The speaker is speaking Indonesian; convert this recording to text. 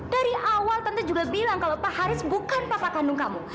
dari awal tentu juga bilang kalau pak haris bukan bapak kandung kamu